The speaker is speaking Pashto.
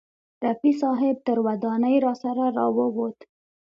رفیع صاحب تر ودانۍ راسره راوووت.